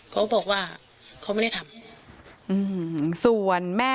เขาบอกว่าเขาไม่ได้ทำ